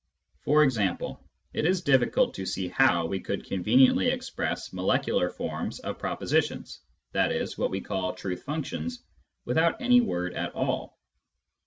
For example, it is difficult to see how we could conveniently express molecular forms of propositions (i.e. what we call " truth functions ") without any word at all.